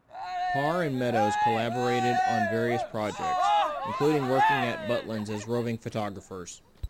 Parr and Meadows collaborated on various projects, including working at Butlin's as roving photographers.